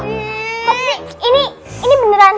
sobri ini ini beneran